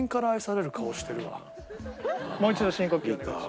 もう一度深呼吸お願いします。